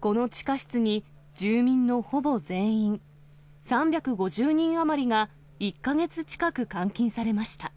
この地下室に、住民のほぼ全員３５０人余りが、１か月近く監禁されました。